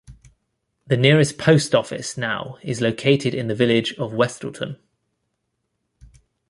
The nearest post office now is located in the village of Westleton.